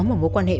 một mối quan hệ